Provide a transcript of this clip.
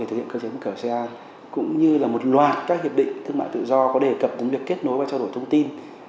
thực hiện cơ chế một cửa asean cũng như là một loạt các hiệp định thương mại tự do có đề cập đến việc kết nối và trao đổi thông tin